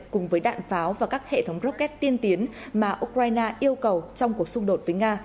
cùng với đạn pháo và các hệ thống rocket tiên tiến mà ukraine yêu cầu trong cuộc xung đột với nga